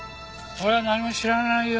俺はなんにも知らないよ。